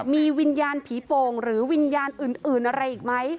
มีวิญญาณผีโป่งหรือวิญญาณอื่นอะไรอีกไหม